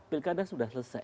pilkada sudah selesai